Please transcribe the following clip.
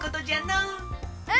うん！